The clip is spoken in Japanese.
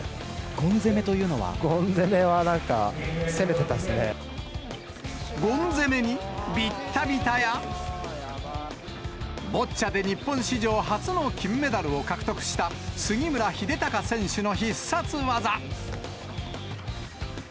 ゴン攻めは、なんか攻めてたゴン攻めに、ビッタビタや、ボッチャで日本史上初の金メダルを獲得した、杉村英孝選手の必殺技。